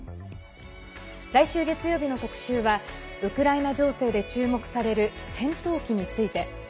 来週月曜日の特集はウクライナ情勢で注目される戦闘機について。